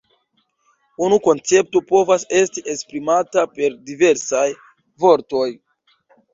Unu koncepto povas esti esprimata per diversaj vortoj.